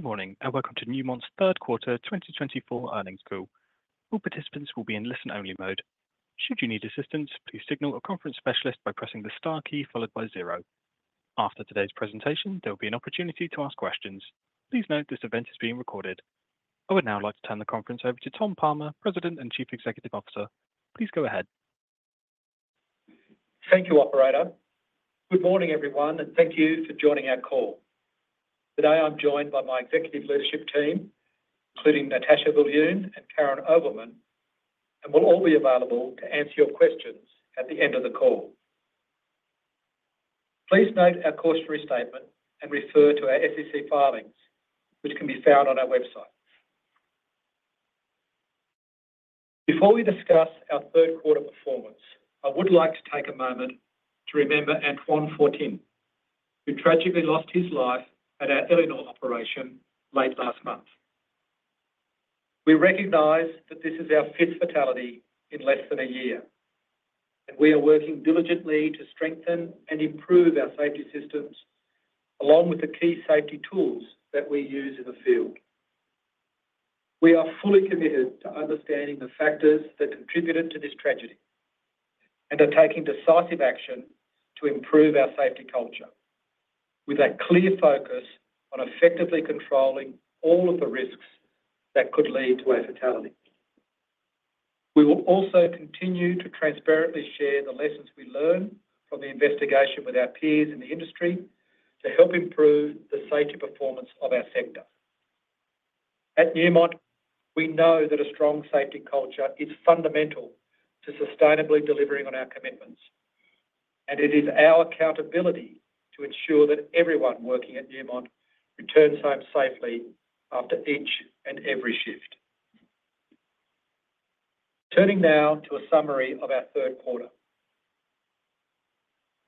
Good morning, and welcome to Newmont's Third Quarter 2024 Earnings Call. All participants will be in listen-only mode. Should you need assistance, please signal a conference specialist by pressing the star key followed by zero. After today's presentation, there will be an opportunity to ask questions. Please note this event is being recorded. I would now like to turn the conference over to Tom Palmer, President and Chief Executive Officer. Please go ahead. Thank you, operator. Good morning, everyone, and thank you for joining our call. Today, I'm joined by my executive leadership team, including Natascha Viljoen and Karyn Ovelmen, and we'll all be available to answer your questions at the end of the call. Please note our cautionary statement and refer to our SEC filings, which can be found on our website. Before we discuss our third quarter performance, I would like to take a moment to remember Antoine Fortin, who tragically lost his life at our Eleonore operation late last month. We recognize that this is our fifth fatality in less than a year, and we are working diligently to strengthen and improve our safety systems, along with the key safety tools that we use in the field. We are fully committed to understanding the factors that contributed to this tragedy and are taking decisive action to improve our safety culture, with a clear focus on effectively controlling all of the risks that could lead to a fatality. We will also continue to transparently share the lessons we learn from the investigation with our peers in the industry to help improve the safety performance of our sector. At Newmont, we know that a strong safety culture is fundamental to sustainably delivering on our commitments, and it is our accountability to ensure that everyone working at Newmont returns home safely after each and every shift. Turning now to a summary of our third quarter.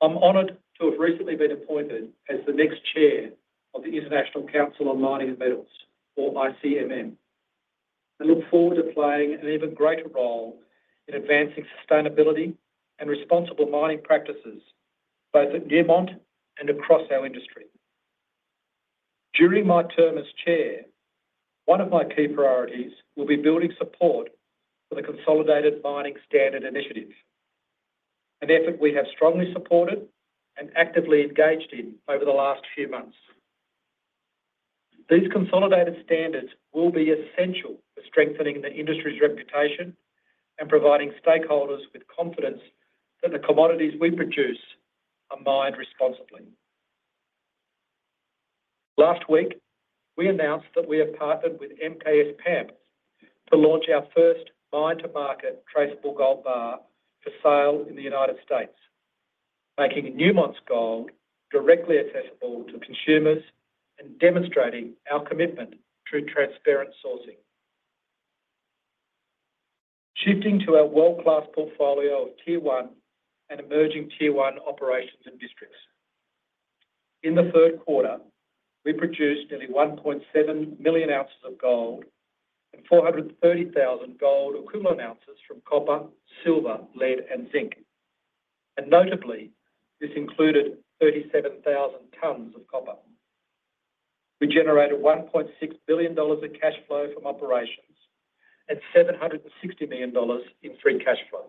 I'm honored to have recently been appointed as the next chair of the International Council on Mining and Metals, or ICMM. I look forward to playing an even greater role in advancing sustainability and responsible mining practices, both at Newmont and across our industry. During my term as chair, one of my key priorities will be building support for the Consolidated Mining Standard Initiative, an effort we have strongly supported and actively engaged in over the last few months. These consolidated standards will be essential for strengthening the industry's reputation and providing stakeholders with confidence that the commodities we produce are mined responsibly. Last week, we announced that we have partnered with MKS PAMP to launch our first mine-to-market traceable gold bar for sale in the United States, making Newmont's gold directly accessible to consumers and demonstrating our commitment to transparent sourcing. Shifting to our world-class portfolio of Tier One and emerging Tier One operations and districts. In the third quarter, we produced nearly 1.7 million ounces of gold and 430,000 gold-equivalent ounces from copper, silver, lead, and zinc, and notably, this included 37,000 tons of copper. We generated $1.6 billion in cash flow from operations and $760 million in free cash flow.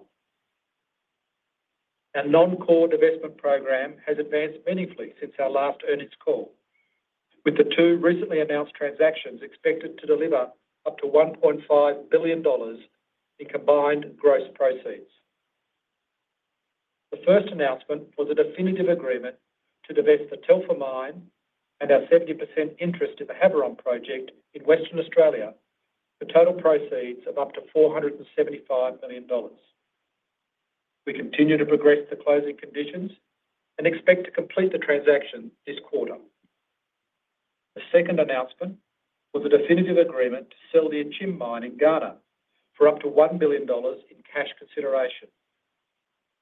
Our non-core divestment program has advanced meaningfully since our last earnings call, with the two recently announced transactions expected to deliver up to $1.5 billion in combined gross proceeds. The first announcement was a definitive agreement to divest the Telfer Mine and our 70% interest in the Havieron Project in Western Australia, for total proceeds of up to $475 million. We continue to progress the closing conditions and expect to complete the transaction this quarter. The second announcement was a definitive agreement to sell the Akyem mine in Ghana for up to $1 billion in cash consideration,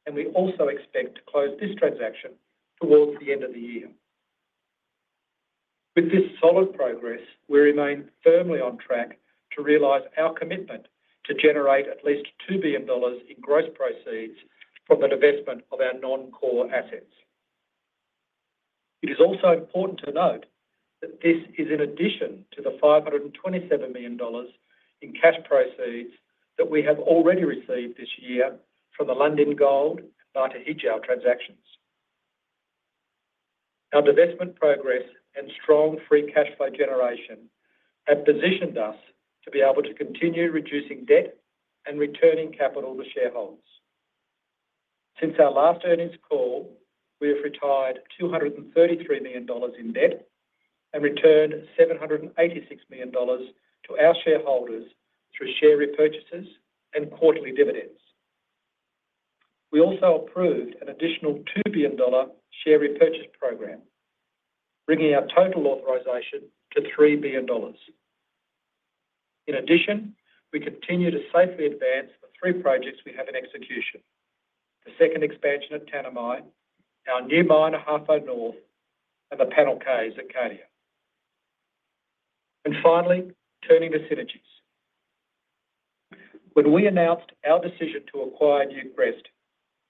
and we also expect to close this transaction towards the end of the year. With this solid progress, we remain firmly on track to realize our commitment to generate at least $2 billion in gross proceeds from the divestment of our non-core assets. It is also important to note that this is in addition to the $527 million in cash proceeds that we have already received this year from the Lundin Gold and Batu Hijau transactions. Our divestment progress and strong free cash flow generation have positioned us to be able to continue reducing debt and returning capital to shareholders. Since our last earnings call, we have retired $233 million in debt and returned $786 million to our shareholders through share repurchases and quarterly dividends. We also approved an additional $2 billion share repurchase program, bringing our total authorization to $3 billion. In addition, we continue to safely advance the three projects we have in execution: the second expansion at Tanami, our new mine at Ahafo North, and the Panel Cave at Cadia. Finally, turning to synergies. When we announced our decision to acquire Newcrest,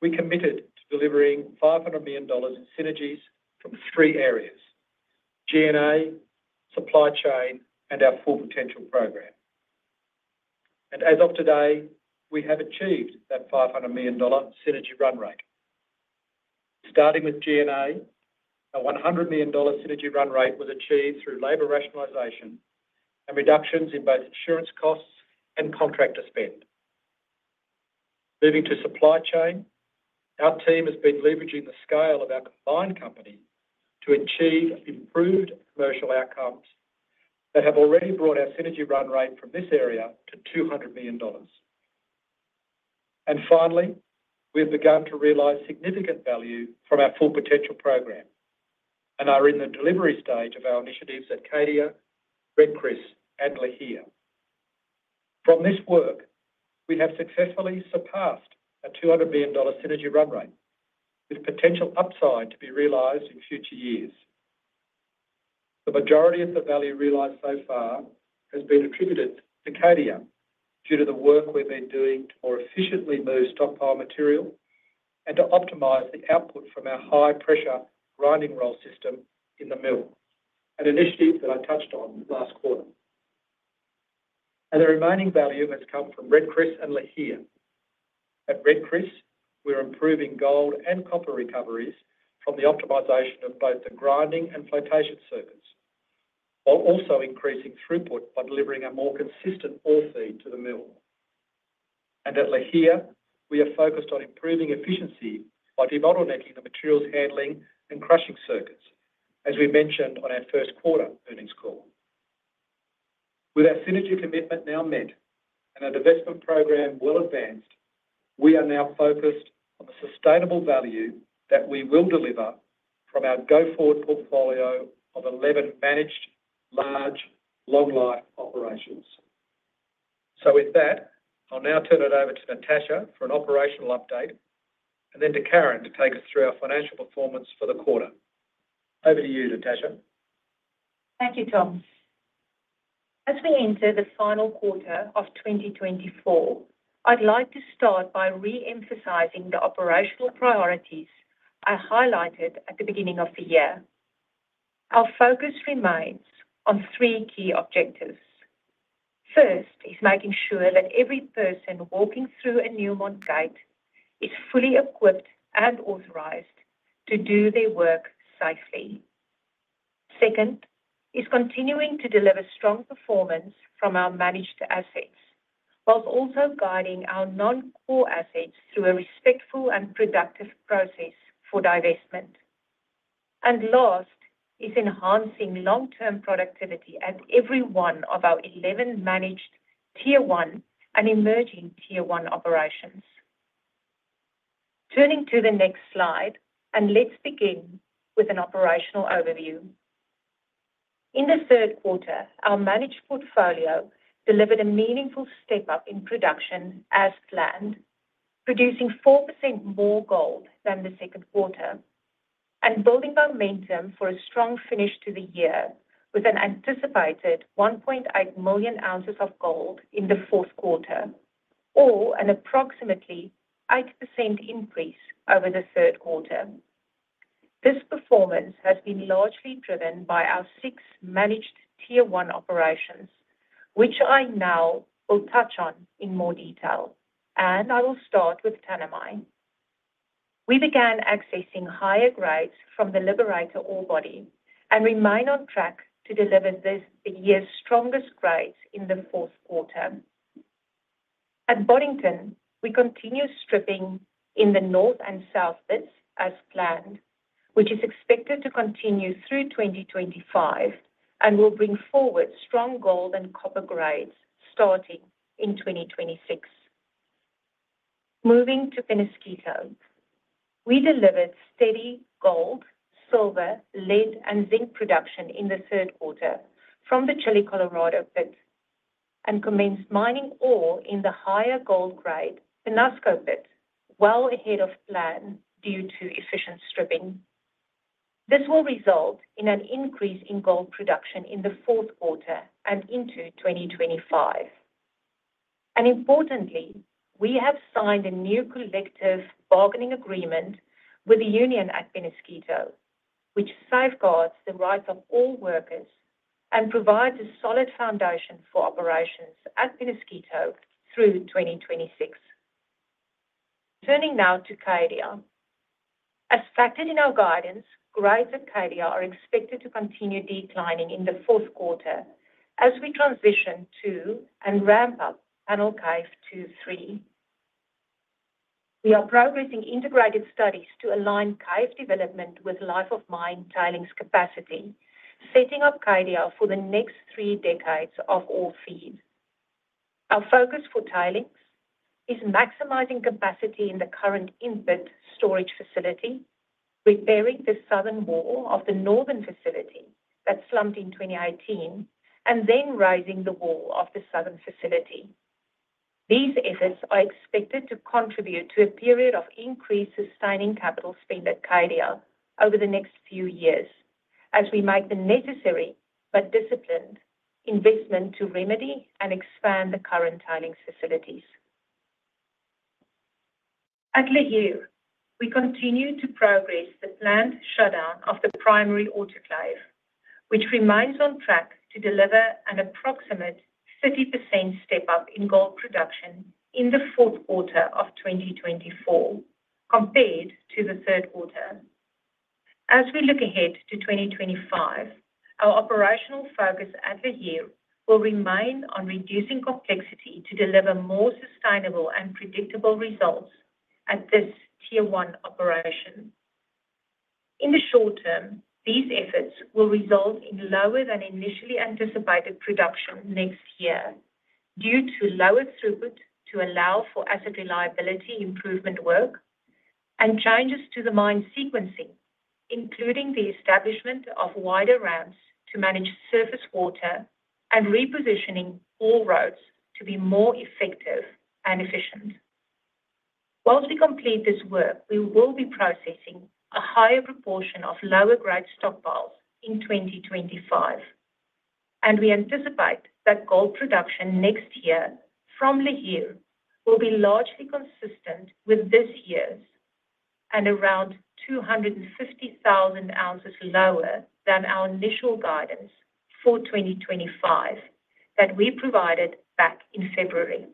we committed to delivering $500 million in synergies from three areas: G&A, supply chain, and our Full Potential program. As of today, we have achieved that $500 million synergy run rate. Starting with G&A, a $100 million synergy run rate was achieved through labor rationalization and reductions in both insurance costs and contractor spend. Moving to supply chain, our team has been leveraging the scale of our combined company to achieve improved commercial outcomes that have already brought our synergy run rate from this area to $200 million. And finally, we have begun to realize significant value from our Full Potential program and are in the delivery stage of our initiatives at Cadia, Red Chris, and Lihir. From this work, we have successfully surpassed a $200 million synergy run rate, with potential upside to be realized in future years. The majority of the value realized so far has been attributed to Cadia, due to the work we've been doing to more efficiently move stockpile material and to optimize the output from our high-pressure grinding roll system in the mill, an initiative that I touched on last quarter. And the remaining value has come from Red Chris and Lihir. At Red Chris, we're improving gold and copper recoveries from the optimization of both the grinding and flotation circuits, while also increasing throughput by delivering a more consistent ore feed to the mill. And at Lihir, we are focused on improving efficiency by debottlenecking the materials handling and crushing circuits, as we mentioned on our first quarter earnings call. With our synergy commitment now met and our divestment program well advanced, we are now focused on the sustainable value that we will deliver from our go-forward portfolio of 11 managed, large, long-life operations. So with that, I'll now turn it over to Natascha for an operational update, and then to Karyn to take us through our financial performance for the quarter. Over to you, Natascha. Thank you, Tom. As we enter the final quarter of 2024, I'd like to start by re-emphasizing the operational priorities I highlighted at the beginning of the year. Our focus remains on three key objectives. First is making sure that every person walking through a Newmont gate is fully equipped and authorized to do their work safely. Second is continuing to deliver strong performance from our managed assets, while also guiding our non-core assets through a respectful and productive process for divestment. And last is enhancing long-term productivity at every one of our 11 managed Tier One and emerging Tier One operations. Turning to the next slide, and let's begin with an operational overview. In the third quarter, our managed portfolio delivered a meaningful step-up in production as planned, producing 4% more gold than the second quarter, and building momentum for a strong finish to the year, with an anticipated 1.8 million ounces of gold in the fourth quarter, or an approximately 8% increase over the third quarter. This performance has been largely driven by our six managed Tier One operations, which I now will touch on in more detail, and I will start with Tanami. We began accessing higher grades from the Liberator ore body and remain on track to deliver this the year's strongest grades in the fourth quarter. At Boddington, we continue stripping in the north and south pits as planned, which is expected to continue through 2025 and will bring forward strong gold and copper grades starting in 2026. Moving to Peñasquito, we delivered steady gold, silver, lead, and zinc production in the third quarter from the Chile Colorado pit, and commenced mining ore in the higher gold grade, Peñasco pit, well ahead of plan due to efficient stripping. This will result in an increase in gold production in the fourth quarter and into 2025, and importantly, we have signed a new collective bargaining agreement with the union at Peñasquito, which safeguards the rights of all workers and provides a solid foundation for operations at Peñasquito through 2026. Turning now to Cadia. As factored in our guidance, grades at Cadia are expected to continue declining in the fourth quarter as we transition to and ramp up Panel Cave 2-3. We are progressing integrated studies to align cave development with life of mine tailings capacity, setting up Cadia for the next three decades of ore feed. Our focus for tailings is maximizing capacity in the current in-pit storage facility, repairing the southern wall of the northern facility that slumped in 2018, and then raising the wall of the southern facility. These efforts are expected to contribute to a period of increased sustaining capital spend at Cadia over the next few years, as we make the necessary but disciplined investment to remedy and expand the current tailings facilities. At Lihir, we continue to progress the planned shutdown of the primary autoclave, which remains on track to deliver an approximate 30% step up in gold production in the fourth quarter of 2024, compared to the third quarter. As we look ahead to 2025, our operational focus at Lihir will remain on reducing complexity to deliver more sustainable and predictable results at this Tier One operation. In the short term, these efforts will result in lower than initially anticipated production next year, due to lower throughput to allow for asset reliability improvement work and changes to the mine sequencing, including the establishment of wider ramps to manage surface water and repositioning all roads to be more effective and efficient. While we complete this work, we will be processing a higher proportion of lower-grade stockpiles in 2025, and we anticipate that gold production next year from Lihir will be largely consistent with this year's and around 250,000 ounces lower than our initial guidance for 2025 that we provided back in February.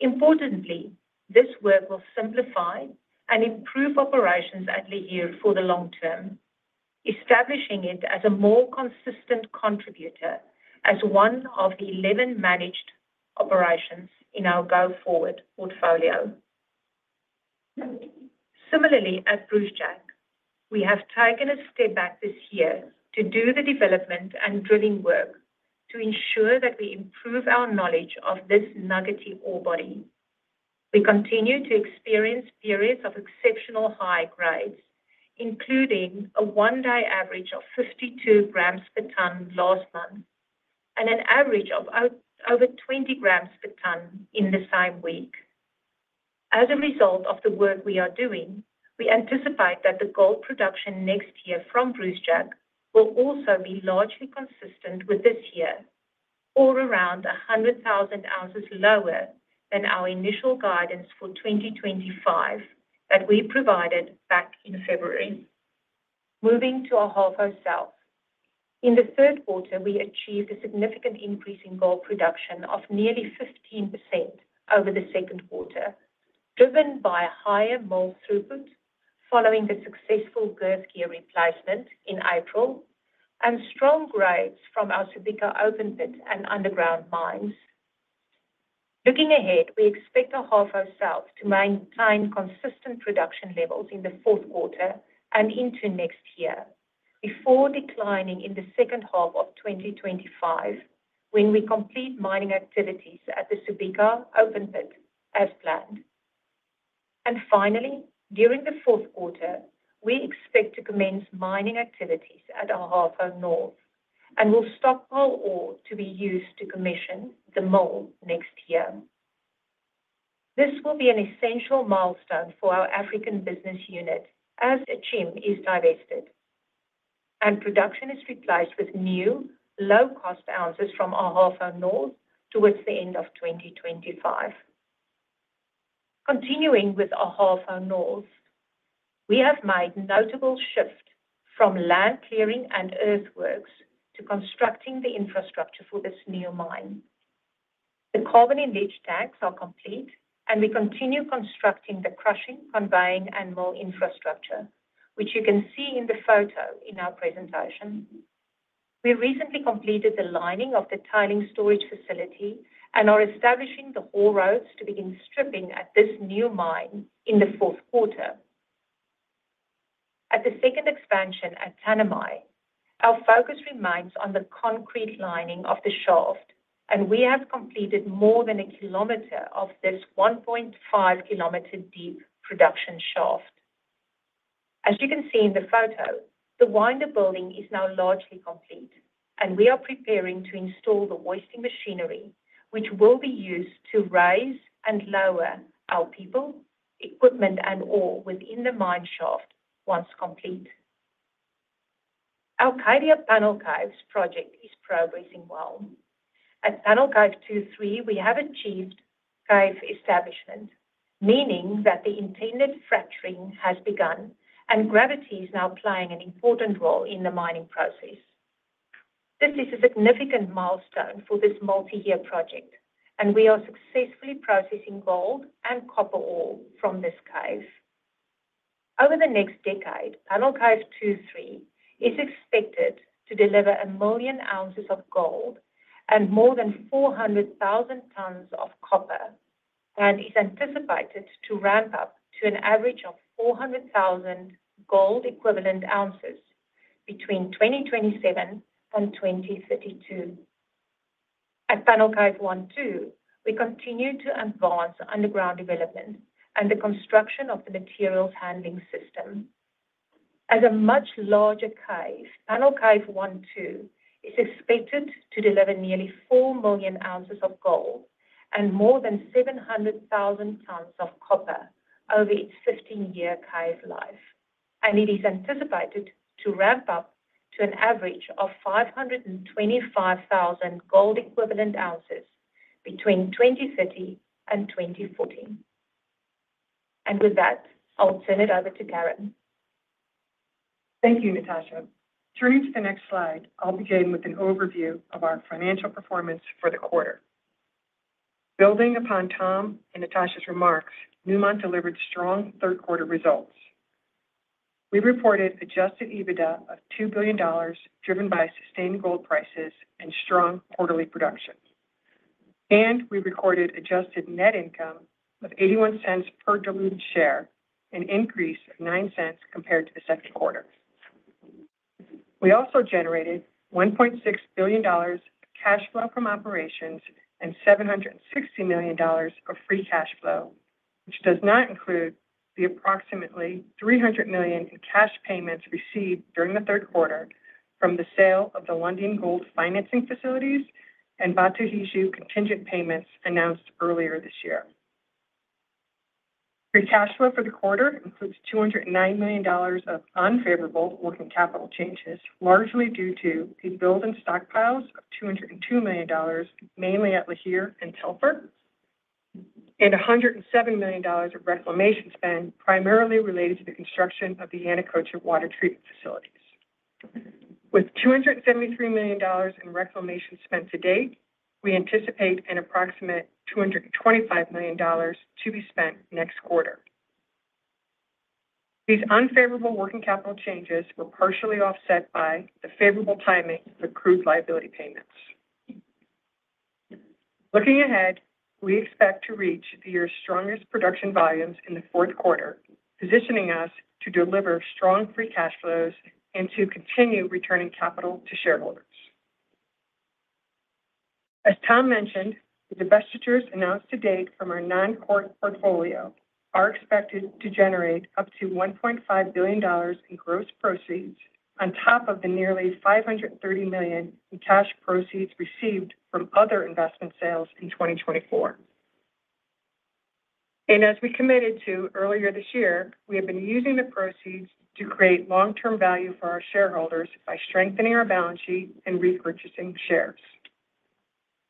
Importantly, this work will simplify and improve operations at Lihir for the long term, establishing it as a more consistent contributor as one of eleven managed operations in our go-forward portfolio. Similarly, at Brucejack, we have taken a step back this year to do the development and drilling work to ensure that we improve our knowledge of this nuggety ore body. We continue to experience periods of exceptional high grades, including a one-day average of 52 grams per ton last month, and an average of over 20 grams per ton in the same week. As a result of the work we are doing, we anticipate that the gold production next year from Brucejack will also be largely consistent with this year or around 100,000 ounces lower than our initial guidance for 2025 that we provided back in February. Moving to Ahafo South. In the third quarter, we achieved a significant increase in gold production of nearly 15% over the second quarter, driven by higher mill throughput following the successful gear replacement in April, and strong grades from our Subika open pit and underground mines. Looking ahead, we expect Ahafo South to maintain consistent production levels in the fourth quarter and into next year before declining in the second half of 2025, when we complete mining activities at the Subika open pit as planned, and finally, during the fourth quarter, we expect to commence mining activities at Ahafo North, and will stockpile ore to be used to commission the mill next year. This will be an essential milestone for our African business unit as Akyem is divested, and production is replaced with new low-cost ounces from Ahafo North towards the end of 2025. Continuing with Ahafo North, we have made notable shift from land clearing and earthworks to constructing the infrastructure for this new mine. The carbon and leach tanks are complete, and we continue constructing the crushing, conveying, and mill infrastructure, which you can see in the photo in our presentation. We recently completed the lining of the tailings storage facility and are establishing the ore roads to begin stripping at this new mine in the fourth quarter. At the second expansion at Tanami, our focus remains on the concrete lining of the shaft, and we have completed more than 1 kilometer of this 1.5-kilometer-deep production shaft. As you can see in the photo, the winder building is now largely complete, and we are preparing to install the hoisting machinery, which will be used to raise and lower our people, equipment, and ore within the mine shaft once complete. Our Cadia Panel Caves project is progressing well. At Panel Cave 2-3, we have achieved cave establishment, meaning that the intended fracturing has begun, and gravity is now playing an important role in the mining process. This is a significant milestone for this multi-year project, and we are successfully processing gold and copper ore from this cave. Over the next decade, Panel Cave 2-3 is expected to deliver 1 million ounces of gold and more than 400,000 tons of copper, and is anticipated to ramp up to an average of 400,000 gold equivalent ounces between 2027 and 2032. At Panel Cave 1-2, we continue to advance underground development and the construction of the materials handling system. As a much larger cave, Panel Cave 1-2 is expected to deliver nearly 4 million ounces of gold. And more than 700,000 tons of copper over its 15-year cave life. And it is anticipated to ramp up to an average of 525,000 gold equivalent ounces between 2030 and 2040. And with that, I'll turn it over to Karyn. Thank you, Natascha. Turning to the next slide, I'll begin with an overview of our financial performance for the quarter. Building upon Tom and Natascha's remarks, Newmont delivered strong third-quarter results. We reported adjusted EBITDA of $2 billion, driven by sustained gold prices and strong quarterly production, and we recorded adjusted net income of $0.81 per diluted share, an increase of $0.09 compared to the second quarter. We also generated $1.6 billion cash flow from operations and $760 million of free cash flow, which does not include the approximately $300 million in cash payments received during the third quarter from the sale of the Lundin Gold financing facilities and Batu Hijau contingent payments announced earlier this year. Free cash flow for the quarter includes $209 million of unfavorable working capital changes, largely due to the build in stockpiles of $202 million, mainly at Lihir and Telfer, and $170 million of reclamation spend, primarily related to the construction of the Yanacocha water treatment facilities. With $273 million in reclamation spent to date, we anticipate an approximate $225 million to be spent next quarter. These unfavorable working capital changes were partially offset by the favorable timing of accrued liability payments. Looking ahead, we expect to reach the year's strongest production volumes in the fourth quarter, positioning us to deliver strong free cash flows and to continue returning capital to shareholders. As Tom mentioned, the divestitures announced to date from our non-core portfolio are expected to generate up to $1.5 billion in gross proceeds, on top of the nearly $530 million in cash proceeds received from other investment sales in 2024. And as we committed to earlier this year, we have been using the proceeds to create long-term value for our shareholders by strengthening our balance sheet and repurchasing shares.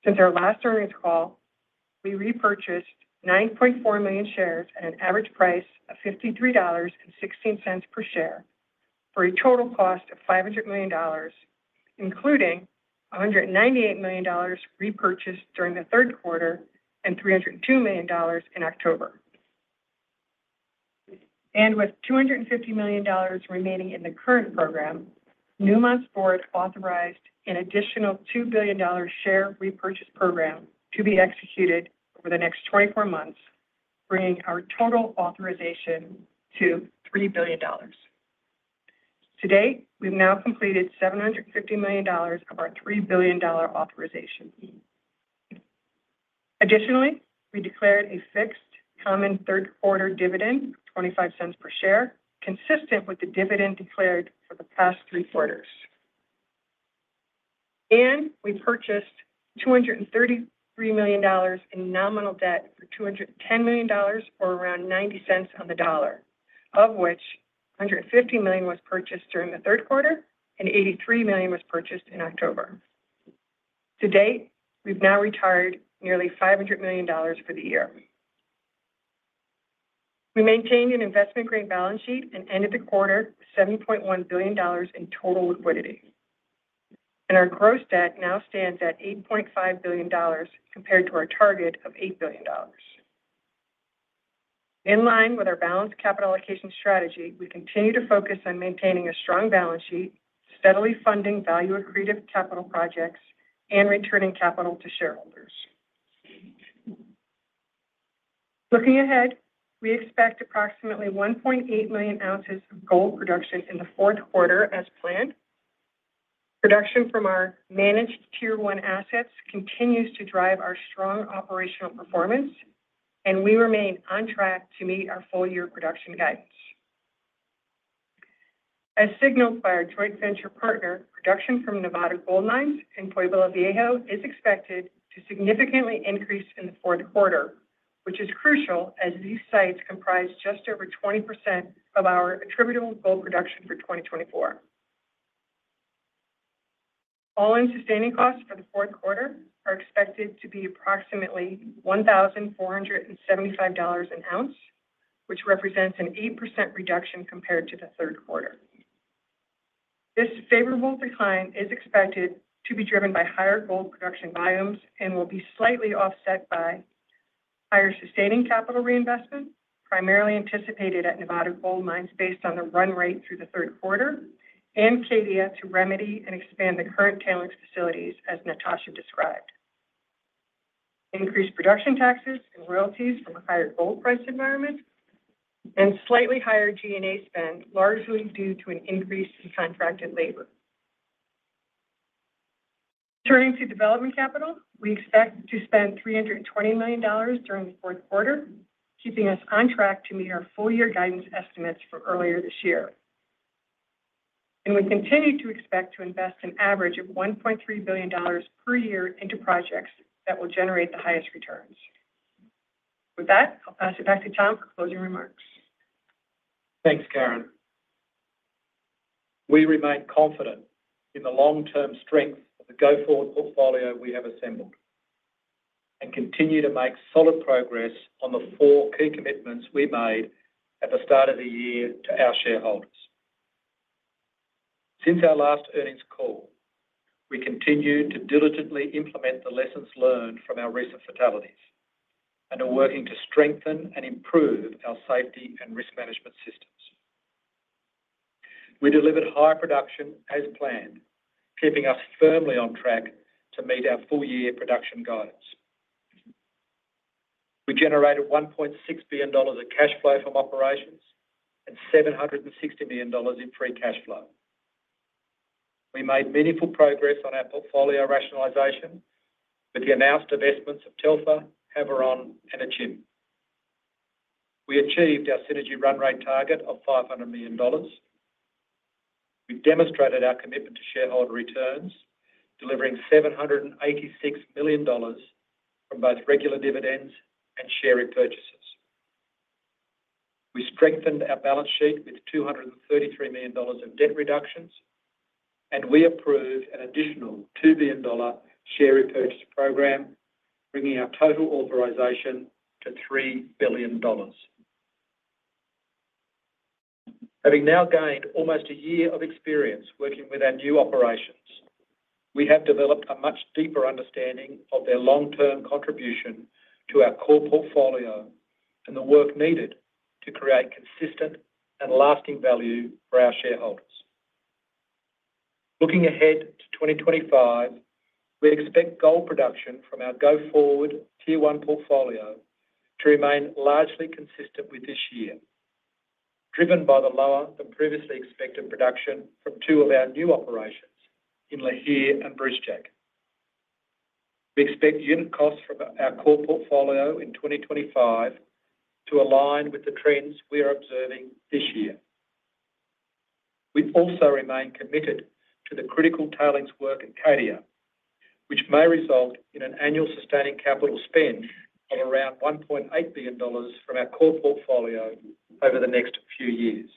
Since our last earnings call, we repurchased 9.4 million shares at an average price of $53.16 per share, for a total cost of $500 million, including $198 million repurchased during the third quarter and $302 million in October. With $250 million remaining in the current program, Newmont's board authorized an additional $2 billion share repurchase program to be executed over the next 24 months, bringing our total authorization to $3 billion. To date, we've now completed $750 million of our $3 billion authorization. Additionally, we declared a fixed common third-quarter dividend of $0.25 per share, consistent with the dividend declared for the past three quarters. We purchased $233 million in nominal debt for $210 million, or around 90 cents on the dollar, of which $150 million was purchased during the third quarter and $83 million was purchased in October. To date, we've now retired nearly $500 million for the year. We maintained an investment-grade balance sheet and ended the quarter with $7.1 billion in total liquidity, and our gross debt now stands at $8.5 billion, compared to our target of $8 billion. In line with our balanced capital allocation strategy, we continue to focus on maintaining a strong balance sheet, steadily funding value-accretive capital projects, and returning capital to shareholders. Looking ahead, we expect approximately 1.8 million ounces of gold production in the fourth quarter as planned. Production from our managed Tier One assets continues to drive our strong operational performance, and we remain on track to meet our full-year production guidance. As signaled by our joint venture partner, production from Nevada Gold Mines in Pueblo Viejo is expected to significantly increase in the fourth quarter, which is crucial as these sites comprise just over 20% of our attributable gold production for 2024. All-in sustaining costs for the fourth quarter are expected to be approximately $1,475 an ounce, which represents an 8% reduction compared to the third quarter. This favorable decline is expected to be driven by higher gold production volumes and will be slightly offset by higher sustaining capital reinvestment, primarily anticipated at Nevada Gold Mines, based on the run rate through the third quarter, and Cadia, to remedy and expand the current tailings facilities, as Natascha described. Increased production taxes and royalties from a higher gold price environment and slightly higher G&A spend, largely due to an increase in contracted labor. Turning to development capital, we expect to spend $320 million during the fourth quarter, keeping us on track to meet our full-year guidance estimates for earlier this year, and we continue to expect to invest an average of $1.3 billion per year into projects that will generate the highest returns. With that, I'll pass it back to Tom for closing remarks. Thanks, Karyn. We remain confident in the long-term strength of the go-forward portfolio we have assembled, and continue to make solid progress on the four key commitments we made at the start of the year to our shareholders. Since our last earnings call, we continued to diligently implement the lessons learned from our recent fatalities, and are working to strengthen and improve our safety and risk management systems. We delivered high production as planned, keeping us firmly on track to meet our full-year production guidance. We generated $1.6 billion of cash flow from operations and $760 million in free cash flow. We made meaningful progress on our portfolio rationalization with the announced divestments of Telfer, Havieron, and Akyem. We achieved our synergy run rate target of $500 million. We've demonstrated our commitment to shareholder returns, delivering $786 million from both regular dividends and share repurchases. We strengthened our balance sheet with $233 million of debt reductions, and we approved an additional $2 billion share repurchase program, bringing our total authorization to $3 billion. Having now gained almost a year of experience working with our new operations, we have developed a much deeper understanding of their long-term contribution to our core portfolio and the work needed to create consistent and lasting value for our shareholders. Looking ahead to 2025, we expect gold production from our go-forward Tier One portfolio to remain largely consistent with this year, driven by the lower than previously expected production from two of our new operations in Lihir and Brucejack. We expect unit costs from our core portfolio in 2025 to align with the trends we are observing this year. We also remain committed to the critical tailings work at Cadia, which may result in an annual sustaining capital spend of around $1.8 billion from our core portfolio over the next few years.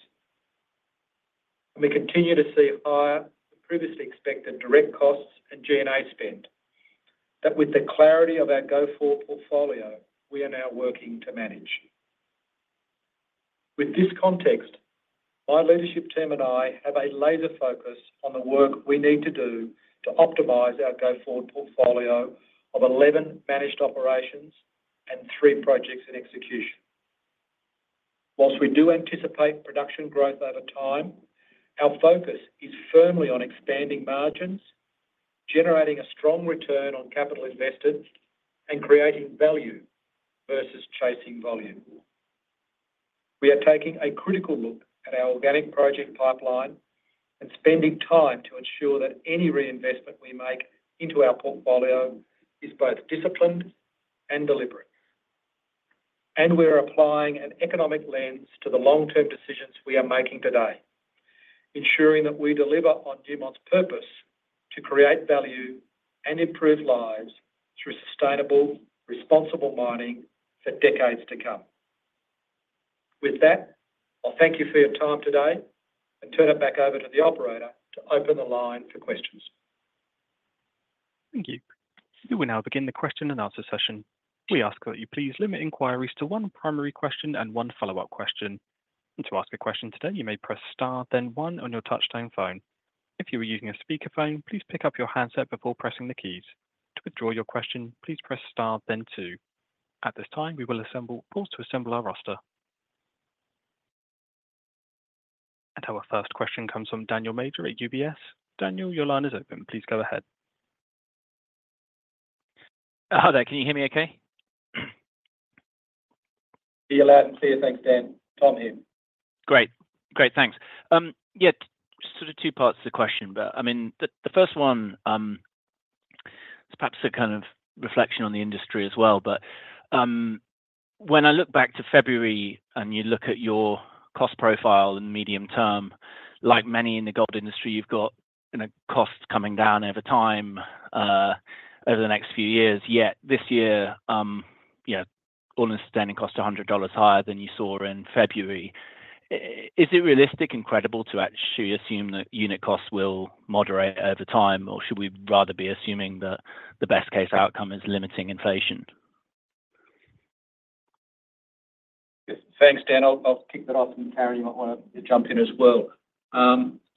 And we continue to see higher than previously expected direct costs and G&A spend. That, with the clarity of our go-forward portfolio, we are now working to manage. With this context, my leadership team and I have a laser focus on the work we need to do to optimize our go-forward portfolio of 11 managed operations and three projects in execution. Whilst we do anticipate production growth over time, our focus is firmly on expanding margins, generating a strong return on capital invested, and creating value versus chasing volume. We are taking a critical look at our organic project pipeline and spending time to ensure that any reinvestment we make into our portfolio is both disciplined and deliberate. And we are applying an economic lens to the long-term decisions we are making today, ensuring that we deliver on Newmont's purpose to create value and improve lives through sustainable, responsible mining for decades to come. With that, I'll thank you for your time today and turn it back over to the operator to open the line for questions. Thank you. We will now begin the question and answer session. We ask that you please limit inquiries to one primary question and one follow-up question. To ask a question today, you may press star, then one on your touchtone phone. If you are using a speakerphone, please pick up your handset before pressing the keys. To withdraw your question, please press star, then two. At this time, we will assemble our roster. Our first question comes from Daniel Major at UBS. Daniel, your line is open. Please go ahead. Hi there. Can you hear me okay? Be loud and clear. Thanks, Dan. Tom here. Great. Great, thanks. Yeah, sort of two parts to the question, but, I mean, the first one is perhaps a kind of reflection on the industry as well, but, when I look back to February and you look at your cost profile and medium term, like many in the gold industry, you've got, you know, costs coming down over time, over the next few years. Yet, this year, yeah, all-in sustaining costs are $100 higher than you saw in February. Is it realistic and credible to actually assume that unit costs will moderate over time, or should we rather be assuming that the best-case outcome is limiting inflation? Thanks, Dan. I'll kick that off, and Karyn, you might wanna jump in as well.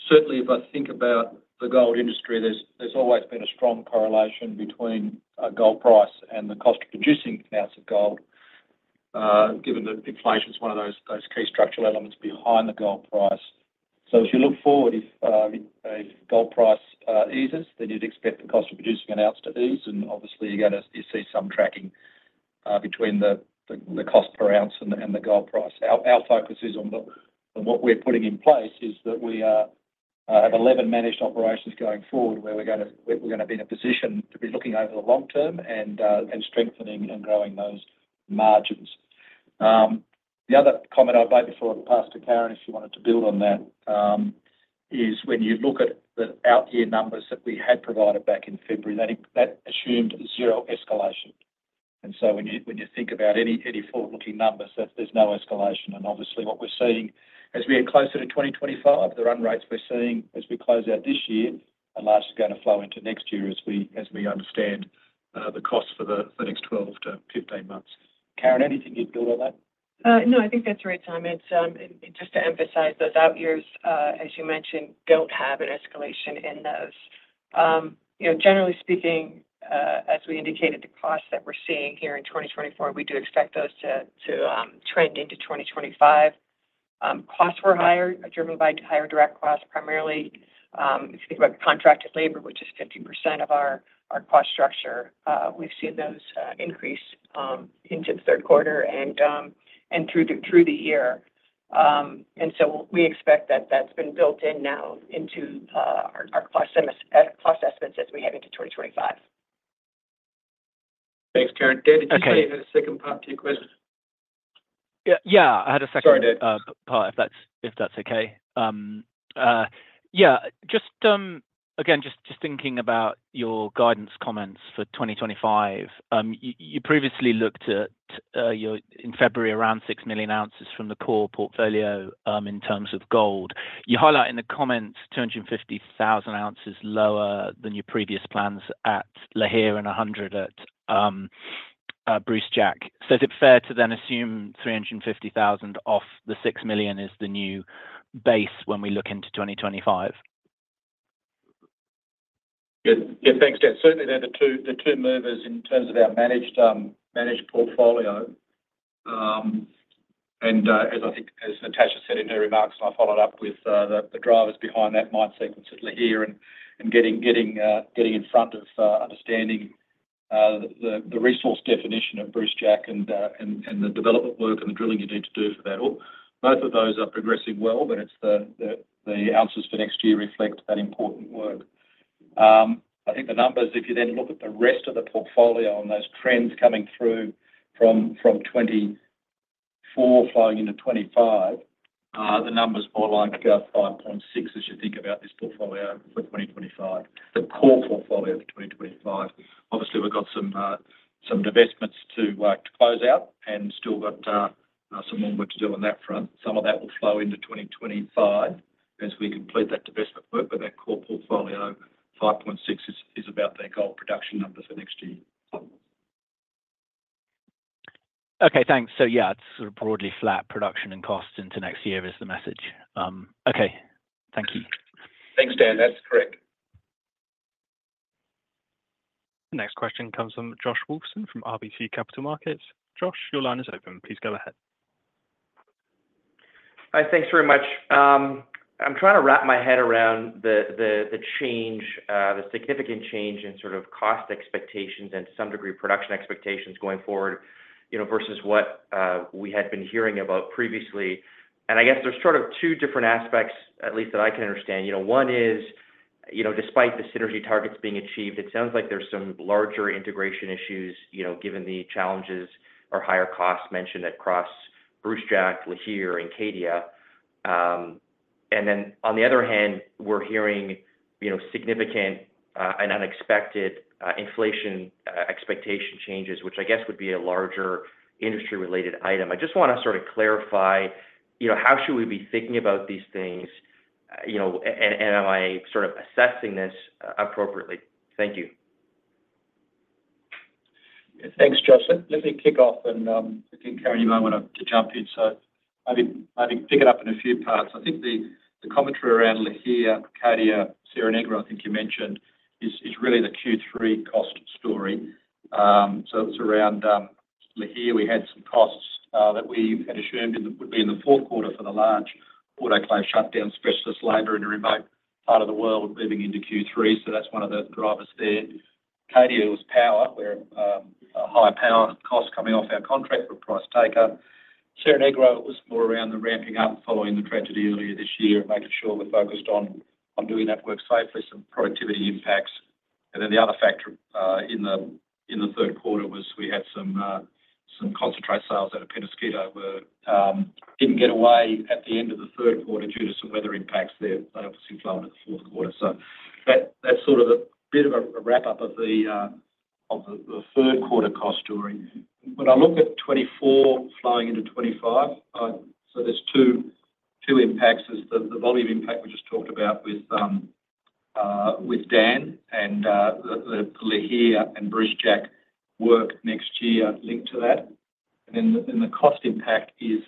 Certainly, if I think about the gold industry, there's always been a strong correlation between gold price and the cost of producing an ounce of gold, given that inflation is one of those key structural elements behind the gold price. So if you look forward, if gold price eases, then you'd expect the cost of producing an ounce to ease, and obviously, you're gonna see some tracking between the cost per ounce and the gold price. Our focus is on the. On what we're putting in place is that we have 11 managed operations going forward, where we're gonna be in a position to be looking over the long term and strengthening and growing those margins. The other comment I'll make before I pass to Karyn, if she wanted to build on that, is when you look at the out-year numbers that we had provided back in February, that assumed zero escalation. And so when you think about any forward-looking numbers, there's no escalation. And obviously, what we're seeing as we get closer to 2025, the run rates we're seeing as we close out this year are largely gonna flow into next year as we understand the costs for the next 12 months-15 months. Karyn, anything you'd build on that? No, I think that's right, Tom. It's just to emphasize those out years, as you mentioned, don't have an escalation in those. You know, generally speaking, as we indicated, the costs that we're seeing here in 2024, we do expect those to trend into 2025. Costs were higher, driven by higher direct costs, primarily, if you think about contracted labor, which is 50% of our cost structure, we've seen those increase into the third quarter and through the year. And so we expect that that's been built in now into our cost estimates as we head into 2025. Thanks, Karyn. Dan, did you say you had a second part to your question? Yeah, yeah, I had a second Sorry, Dan Part, if that's okay. Yeah, just thinking about your guidance comments for 2025. You previously looked at your in February, around 6 million ounces from the core portfolio in terms of gold. You highlight in the comments, 250,000 ounces lower than your previous plans at Lihir and 100 at Brucejack. So is it fair to then assume 350,000 off the 6 million is the new base when we look into 2025? Good. Yeah, thanks, Dan. Certainly, they're the two movers in terms of our managed portfolio. And as I think as Natascha said in her remarks, I followed up with the drivers behind that mine sequence at Lihir and getting in front of understanding the resource definition of Brucejack and the development work and the drilling you need to do for that. Both of those are progressing well, but the ounces for next year reflect that important work. I think the numbers, if you then look at the rest of the portfolio on those trends coming through from 2024 flowing into 2025, the numbers more like about 5.6 as you think about this portfolio for 2025, the core portfolio for 2025. Obviously, we've got some divestments to close out and still got some more work to do on that front. Some of that will flow into 2025 as we complete that divestment work. But our core portfolio, 5.6 is about that gold production number for next year. Okay, thanks. So yeah, it's sort of broadly flat production and costs into next year is the message. Okay. Thank you. Thanks, Dan. That's correct. The next question comes from Josh Wolfson from RBC Capital Markets. Josh, your line is open. Please go ahead. Hi. Thanks very much. I'm trying to wrap my head around the significant change in sort of cost expectations and to some degree, production expectations going forward, you know, versus what we had been hearing about previously, and I guess there's sort of two different aspects, at least that I can understand. You know, one is, you know, despite the synergy targets being achieved, it sounds like there's some larger integration issues, you know, given the challenges or higher costs mentioned across Brucejack, Lihir, and Cadia, and then, on the other hand, we're hearing, you know, significant and unexpected inflation expectation changes, which I guess would be a larger industry-related item. I just want to sort of clarify, you know, how should we be thinking about these things, and am I sort of assessing this appropriately? Thank you. Thanks, Josh. Let me kick off and, I think, Karyn, you might want to jump in. So maybe pick it up in a few parts. I think the commentary around Lihir, Cadia, Cerro Negro, I think you mentioned, is really the Q3 cost story. So it's around Lihir we had some costs that we had assumed would be in the fourth quarter for the large autoclave shutdown, stretched this labor in a remote part of the world moving into Q3. So that's one of the drivers there. Cadia was power, where a higher power cost coming off our contract with price taker. Cerro Negro was more around the ramping up following the tragedy earlier this year, and making sure we're focused on doing that work safely, some productivity impacts. And then the other factor in the third quarter was we had some concentrate sales out of Peñasquito that didn't get away at the end of the third quarter due to some weather impacts there. They obviously flowed in the fourth quarter. So that's sort of a bit of a wrap-up of the third quarter cost story. When I look at 2024 flowing into 2025, so there's two impacts. There's the volume impact we just talked about with Dan, and the Lihir and Brucejack work next year linked to that. And then the cost impact is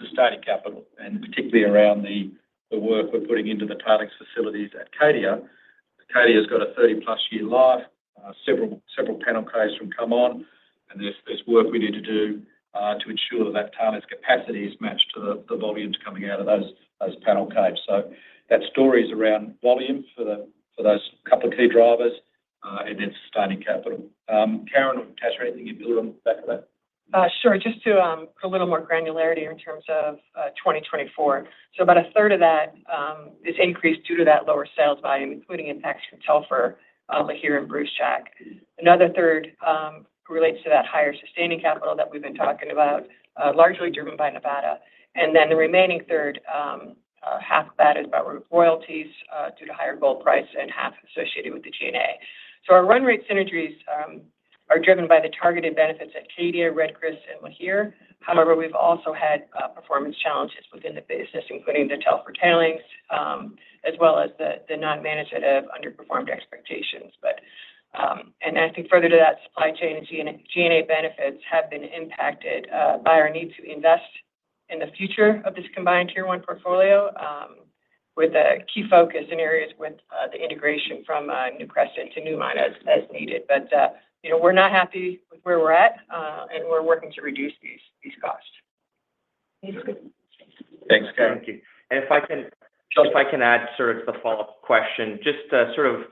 sustaining capital, and particularly around the work we're putting into the tailings facilities at Cadia. Cadia has got a 30+ year life, several panel caves to come, and there's work we need to do to ensure that that tailings capacity is matched to the volumes coming out of those panel caves. So that story is around volume for those couple of key drivers, and it's starting capital. Karyn or Natascha, can you give a little on the back of that? Sure. Just to put a little more granularity in terms of 2024, so about a third of that is increased due to that lower sales volume, including impacts from Telfer here in Brucejack. Another third relates to that higher sustaining capital that we've been talking about, largely driven by Nevada, and then the remaining third, half of that is about royalties due to higher gold price and half associated with the G&A, so our run rate synergies are driven by the targeted benefits at Cadia, Red Chris, and Lihir. However, we've also had performance challenges within the business, including the Telfer tailings, as well as the mine management underperformed expectations. I think further to that, supply chain and G&A benefits have been impacted by our need to invest in the future of this combined Tier One portfolio, with a key focus in areas with the integration from Newcrest to Newmont as needed. You know, we're not happy with where we're at, and we're working to reduce these costs. Thanks, Karyn. Thank you. And if I can, Josh, if I can add sort of the follow-up question, just to sort of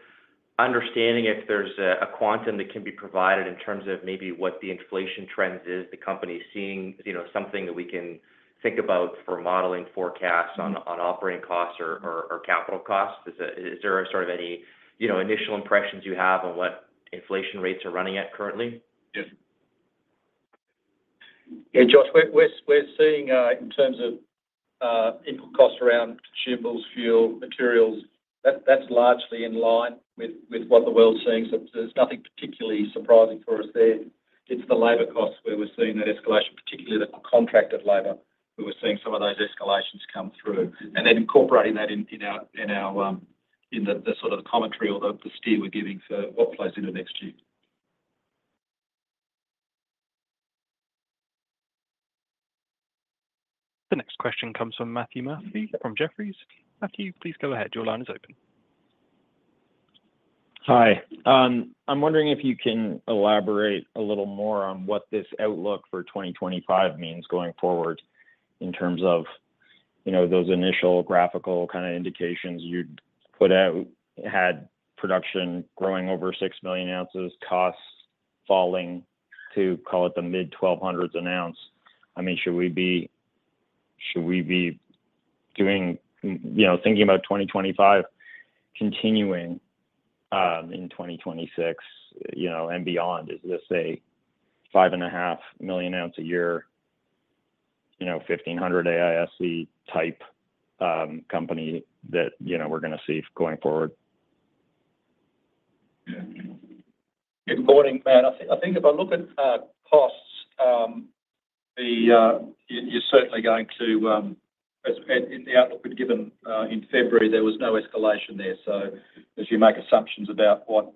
understanding if there's a quantum that can be provided in terms of maybe what the inflation trends is the company is seeing, you know, something that we can think about for modeling forecasts. Mm-hmm. on operating costs or capital costs. Is there a sort of any, you know, initial impressions you have on what inflation rates are running at currently? Yeah. Yeah, Josh, we're seeing in terms of input costs around consumables, fuel, materials, that's largely in line with what the world's seeing. So there's nothing particularly surprising for us there. It's the labor costs where we're seeing that escalation, particularly the contracted labor, where we're seeing some of those escalations come through. And then incorporating that in our in the sort of commentary or the steer we're giving for what flows into next year. The next question comes from Matthew Murphy from Jefferies. Matthew, please go ahead. Your line is open. Hi. I'm wondering if you can elaborate a little more on what this outlook for 2025 means going forward, in terms of, you know, those initial graphical kind of indications you'd put out, had production growing over 6 million ounces, costs falling to call it the mid-twelve hundreds an ounce. I mean, should we be doing, you know, thinking about 2026, you know, and beyond? Is this a 5.5 million ounce a year, you know, 1,500 AISC type, company that, you know, we're gonna see going forward? Yeah. Good morning, Matt. I think if I look at costs, the, you're certainly going to, and in the outlook we'd given in February, there was no escalation there. So as you make assumptions about what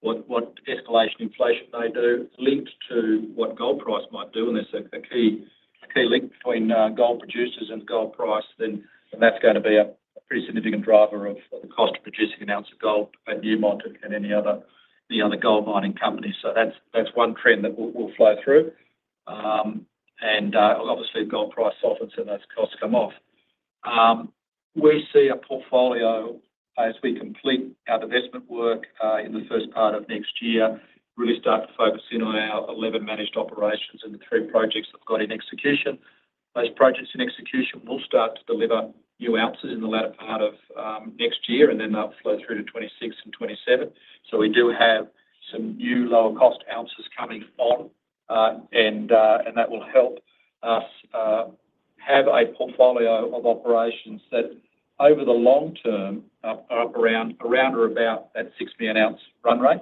what escalation inflation may do, linked to what gold price might do, and there's a key link between gold producers and gold price, then that's gonna be a pretty significant driver of the cost of producing an ounce of gold at Newmont and any other gold mining companies. So that's one trend that will flow through. And obviously, gold price softens and those costs come off. We see a portfolio as we complete our divestment work in the first part of next year, really start to focus in on our 11 managed operations and the three projects we've got in execution. Those projects in execution will start to deliver new ounces in the latter part of next year, and then they'll flow through to 2026 and 2027. So we do have some new lower-cost ounces coming on, and that will help us have a portfolio of operations that, over the long term, are around or about that 6 million ounce run rate,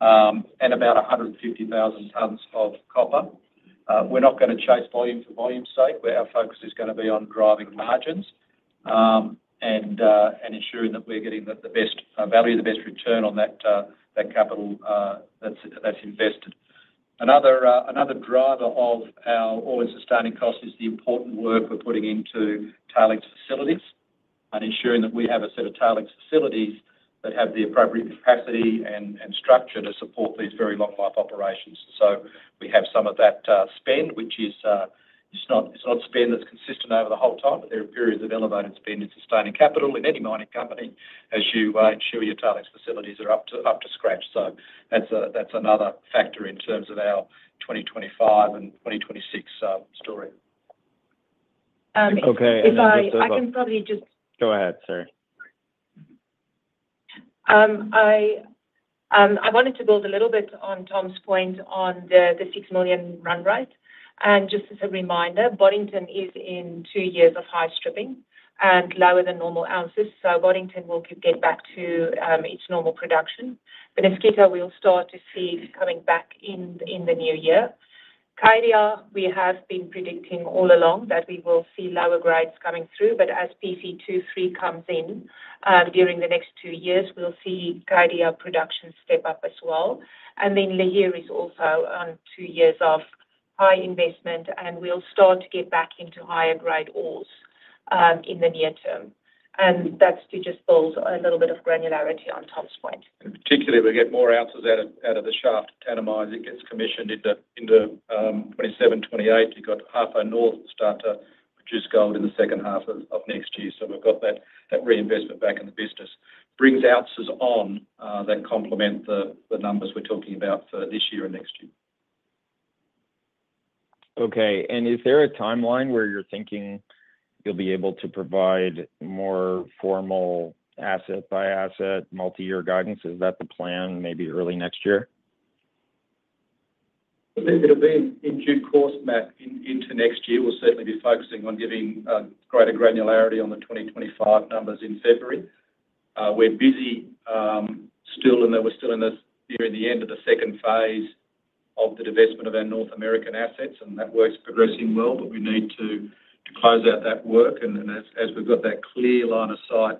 and about 150,000 tons of copper. We're not gonna chase volume for volume's sake, but our focus is gonna be on driving margins, and ensuring that we're getting the best value, the best return on that capital that's invested. Another driver of our all-in sustaining cost is the important work we're putting into tailings facilities and ensuring that we have a set of tailings facilities that have the appropriate capacity and structure to support these very long life operations. So we have some of that spend, which is, it's not spend that's consistent over the whole time, but there are periods of elevated spend in sustaining capital in any mining company as you ensure your tailings facilities are up to scratch. So that's another factor in terms of our 2025 and 2026 story. Okay, and I. If I can probably just Go ahead, sorry. I wanted to build a little bit on Tom's point on the 6 million run rate. And just as a reminder, Boddington is in two years of high stripping and lower than normal ounces, so Boddington will get back to its normal production. Peñasquito, we'll start to see coming back in the new year. Cadia, we have been predicting all along that we will see lower grades coming through, but as PC-23 comes in during the next two years, we'll see Cadia production step up as well. And then Lihir is also on two years of high investment, and we'll start to get back into higher grade ores in the near term. And that's to just build a little bit of granularity on Tom's point. Particularly, we get more ounces out of the shaft at Tanami as it gets commissioned into 2027, 2028. You've got Ahafo North start to produce gold in the second half of next year. We've got that reinvestment back in the business. Brings ounces on that complement the numbers we're talking about for this year and next year. Okay. And is there a timeline where you're thinking you'll be able to provide more formal asset by asset multi-year guidance? Is that the plan, maybe early next year? It'll be in due course, Matt. Into next year, we'll certainly be focusing on giving greater granularity on the 2025 numbers in February. We're busy still, and then we're still in the, you know, in the end of the second phase of the divestment of our North American assets, and that work's progressing well. But we need to close out that work, and then as we've got that clear line of sight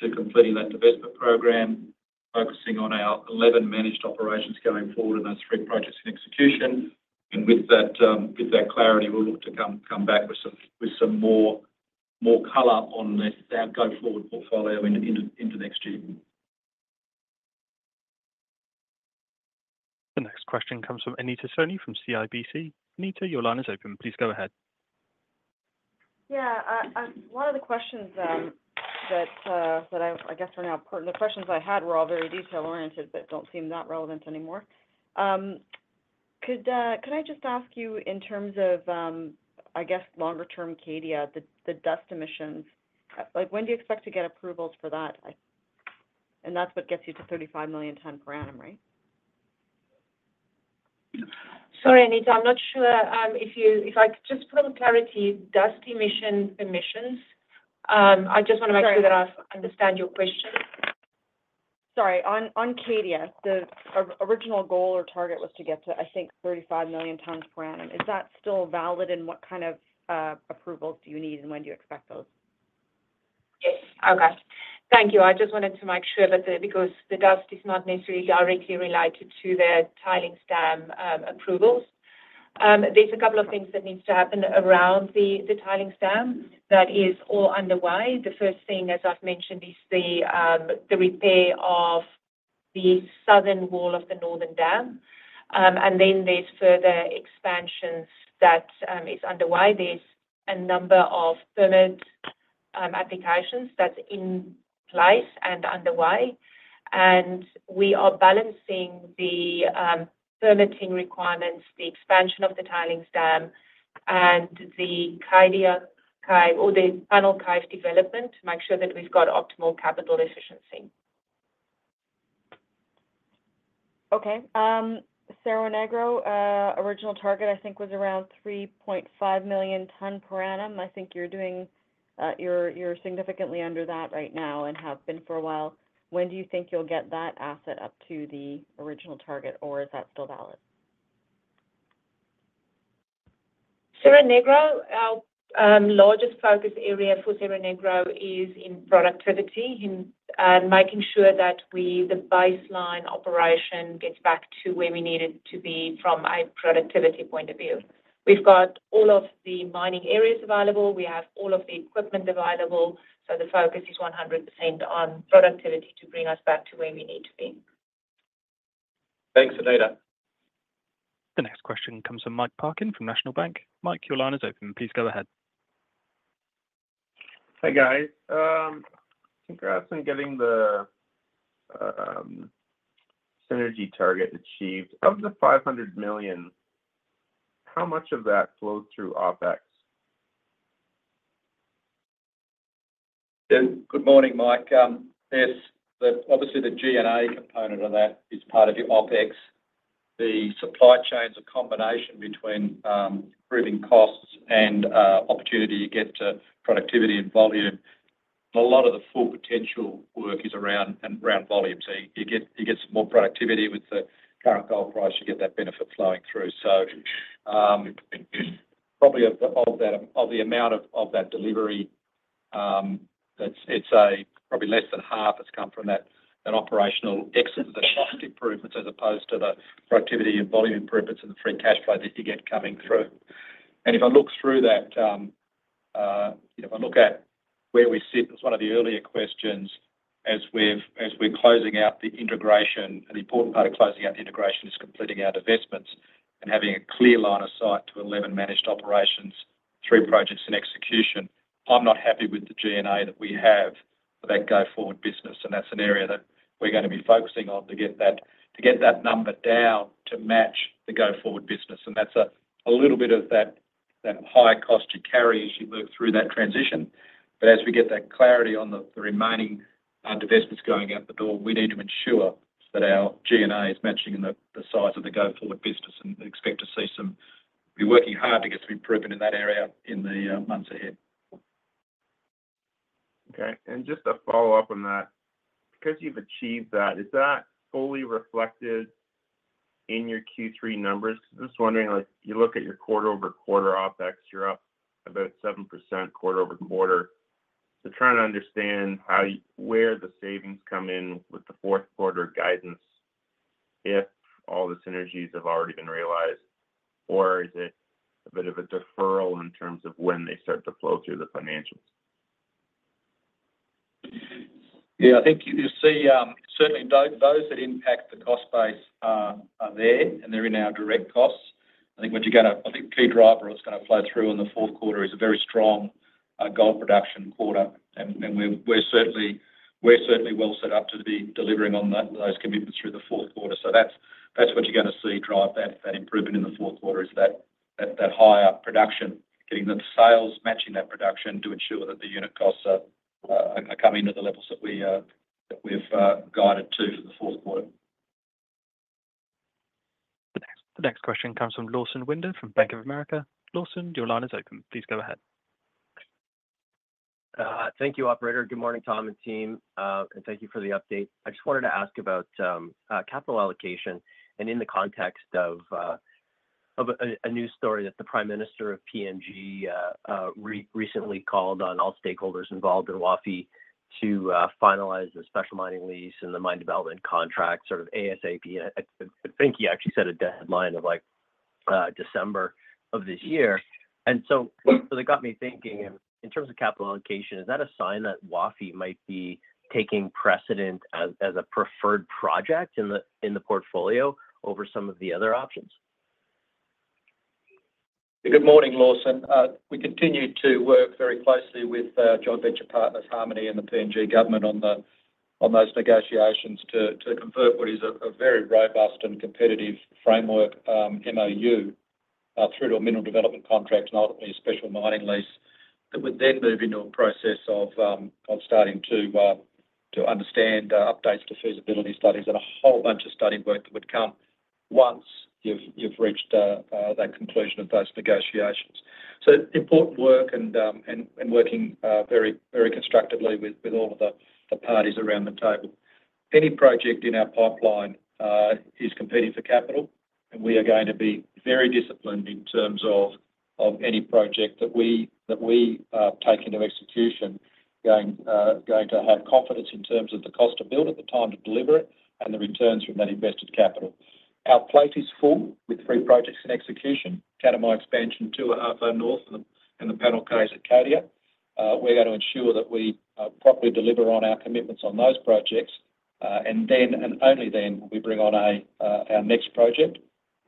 to completing that divestment program, focusing on our 11 managed operations going forward, and that's three projects in execution. With that clarity, we'll look to come back with some more color on this, our go-forward portfolio into next year. The next question comes from Anita Soni, from CIBC. Anita, your line is open. Please go ahead. Yeah. The questions I had were all very detail-oriented, but don't seem that relevant anymore. Could I just ask you in terms of, I guess, longer term Cadia, the dust emissions, like, when do you expect to get approvals for that? And that's what gets you to 35 million tonnes per annum, right? Sorry, Anita, I'm not sure. If I could just for clarity, dust emission emissions? I just wanna make sure Sorry. That I understand your question. Sorry, on Cadia, the original goal or target was to get to, I think, 35 million tons per annum. Is that still valid, and what kind of approvals do you need, and when do you expect those? Yes. Okay. Thank you. I just wanted to make sure that. Because the dust is not necessarily directly related to the tailings dam approvals. There's a couple of things that needs to happen around the tailings dam that is all underway. The first thing, as I've mentioned, is the repair of the southern wall of the northern dam. And then there's further expansions that is underway. There's a number of permit applications that's in place and underway, and we are balancing the permitting requirements, the expansion of the tailings dam, and the Cadia cave or the panel cave development to make sure that we've got optimal capital efficiency. Okay. Cerro Negro, original target, I think, was around 3.5 million tonnes per annum. I think you're doing significantly under that right now and have been for a while. When do you think you'll get that asset up to the original target, or is that still valid? Cerro Negro, our largest focus area for Cerro Negro is in productivity, in making sure that we, the baseline operation, gets back to where we need it to be from a productivity point of view. We've got all of the mining areas available. We have all of the equipment available, so the focus is 100% on productivity to bring us back to where we need to be. Thanks, Anita. The next question comes from Mike Parkin from National Bank. Mike, your line is open. Please go ahead. Hi, guys. Congrats on getting the synergy target achieved. Of the $500 million, how much of that flowed through OpEx? Good morning, Mike. Yes, obviously, the G&A component of that is part of your OpEx. The supply chain is a combination between improving costs and opportunity you get to productivity and volume. A lot of the Full Potential work is around volume, so you get some more productivity. With the current gold price, you get that benefit flowing through, so probably of that amount of that delivery, that's probably less than half has come from that operational exit, the cost improvements, as opposed to the productivity and volume improvements and the free cash flow that you get coming through. If I look through that, if I look at where we sit, as one of the earlier questions, as we're closing out the integration, an important part of closing out the integration is completing our divestments and having a clear line of sight to 11 managed operations, three projects in execution. I'm not happy with the G&A that we have for that go-forward business, and that's an area that we're gonna be focusing on to get that, to get that number down to match the go-forward business. And that's a little bit of that, that high cost you carry as you work through that transition. As we get that clarity on the remaining divestments going out the door, we need to ensure that our G&A is matching in the size of the go-forward business and expect to see some. We're working hard to get some improvement in that area in the months ahead. Okay, and just a follow-up on that, because you've achieved that, is that fully reflected in your Q3 numbers? Just wondering, like, you look at your quarter over quarter OpEx, you're up about 7% quarter over quarter. So trying to understand how, where the savings come in with the fourth quarter guidance, if all the synergies have already been realized, or is it a bit of a deferral in terms of when they start to flow through the financials? Yeah, I think you see certainly those that impact the cost base are there, and they're in our direct costs. I think the key driver that's gonna flow through in the fourth quarter is a very strong gold production quarter. And we're certainly well set up to be delivering on those commitments through the fourth quarter. So that's what you're gonna see drive that improvement in the fourth quarter, is that higher production, getting the sales matching that production to ensure that the unit costs are coming to the levels that we've guided to for the fourth quarter. The next question comes from Lawson Winder, from Bank of America. Lawson, your line is open. Please go ahead. Thank you, operator. Good morning, Tom and team, and thank you for the update. I just wanted to ask about capital allocation and in the context of a news story that the Prime Minister of PNG recently called on all stakeholders involved in Wafi to finalize the Special Mining Lease Good morning, Lawson. We continue to work very closely with joint venture partners, Harmony and the PNG government, on those negotiations to convert what is a very robust and competitive framework MOU through to a Mineral Development Contract, and ultimately a Special Mining Lease, that would then move into a process of starting to understand updates to feasibility studies and a whole bunch of study work that would come once you've reached that conclusion of those negotiations. So important work and working very, very constructively with all of the parties around the table. Any project in our pipeline is competing for capital, and we are going to be very disciplined in terms of any project that we take into execution, going to have confidence in terms of the cost to build it, the time to deliver it, and the returns from that invested capital. Our plate is full, with three projects in execution: Tanami Expansion 2 at Ahafo North and the Panel Cave at Cadia. We're going to ensure that we properly deliver on our commitments on those projects, and then, and only then, will we bring on our next project.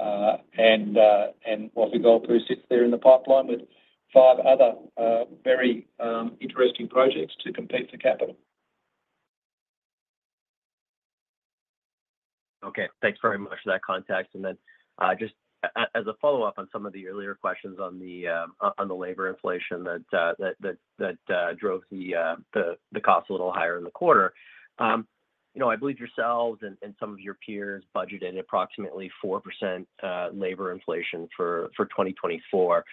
And Wafi-Golpu sits there in the pipeline with five other very interesting projects to compete for capital. Okay. Thanks very much for that context. And then, just as a follow-up on some of the earlier questions on the labor inflation that drove the cost a little higher in the quarter. You know, I believe yourselves and some of your peers budgeted approximately 4% labor inflation for 2024.